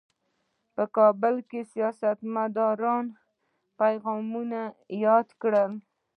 په کابل کې د سیاستمدارانو پیغامونه یې یاد کړل.